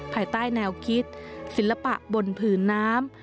ภายใต้แนวคิดศิลปะบนผืนน้ำ